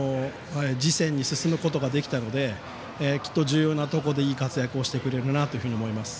次戦に進むことができてきっと重要なところでいい活躍をしてくれると思います。